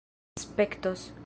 spektos